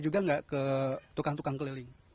ada gak ke tukang tukang keliling